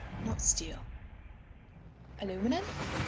"Not steel." "Aluminum?"